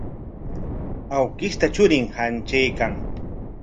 Awkishta churin hantraykan.